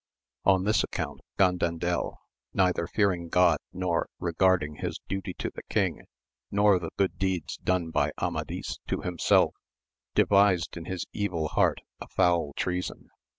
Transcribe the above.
On this account Gandandel neither fearing God nor regarding his duty to the king, nor the good deeds done by Amadis to himself, devised in his evil heart a foul treason.